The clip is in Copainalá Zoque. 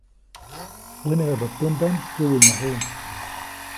Wenedaʼmbä pändaʼm käwäʼnyajuʼuŋ.